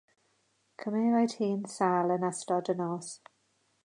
Cymerwyd hi'n sâl yn ystod y nos.